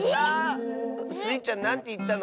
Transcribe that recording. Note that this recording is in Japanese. ⁉スイちゃんなんていったの？